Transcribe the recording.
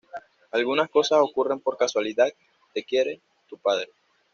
Algunas cosas ocurren por casualidad… …Te quiere, tu padre.